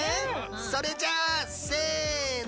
それじゃあせの。